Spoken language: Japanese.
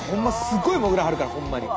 すっごい潜らはるからホンマに。